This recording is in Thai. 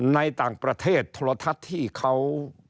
ในต่างประเทศโทรทัศน์ที่เขา